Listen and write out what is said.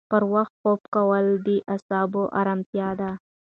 پر وخت خوب کول د اعصابو ارامتیا ده.